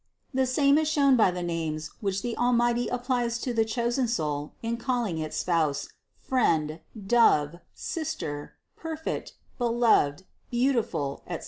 The same is shown by the names, which the Almighty applies to the chosen soul in calling it spouse, friend, dove, sister, perfect, beloved, beautiful, etc.